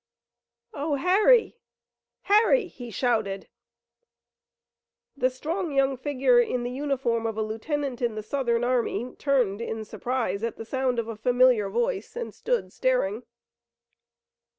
"Oh, Harry! Harry!" he shouted. The strong young figure in the uniform of a lieutenant in the Southern army turned in surprise at the sound of a familiar voice, and stood, staring.